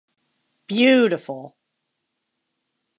Beautiful!